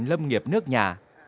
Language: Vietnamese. lâm nghiệp nước nhà